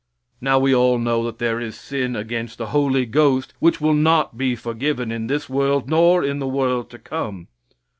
Now we all know that there is sin against the Holy Ghost which will not be forgiven in this world nor in the world to come.